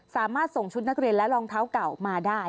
สามารถส่งชุดนักเรียนและรองเท้าเก่ามาได้